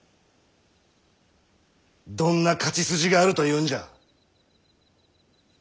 どんな勝ち筋があるというんじゃ。